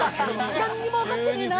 何にも分かってねえな！